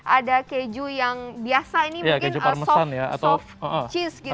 ada keju yang biasa ini mungkin soft cheese gitu